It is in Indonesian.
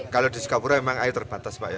kalau di sukapura memang air terbatas pak